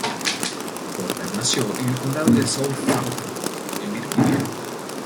Turner nació en el condado de Southampton, en Virginia.